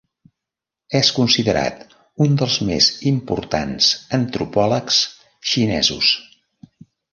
És considerat un dels més importants antropòlegs xinesos.